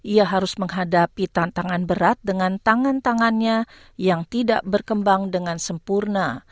ia harus menghadapi tantangan berat dengan tangan tangannya yang tidak berkembang dengan sempurna